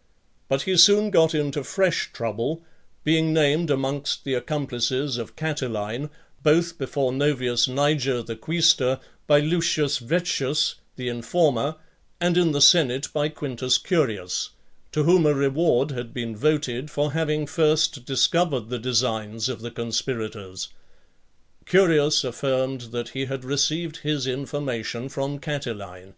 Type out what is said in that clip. XVII. But he soon got into fresh trouble, being named amongst the accomplices of Catiline, both before Novius Niger the quaestor, by Lucius Vettius the informer, and in the senate by Quintus Curius; to whom a reward had been voted, for having first discovered the designs of the conspirators. Curius affirmed that he had received his information from Catiline.